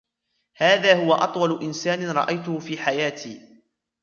هذا هو أطول إنسان رأيته في حياتي.